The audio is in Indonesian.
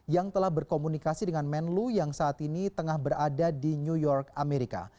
yang telah berkomunikasi dengan menlu yang saat ini tengah berada di new york amerika